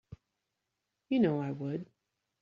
You know I would.